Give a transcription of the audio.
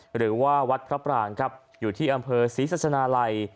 หรือว่าวัดพระปรางครับอยู่ที่อำเภอศรีสัชนาลัย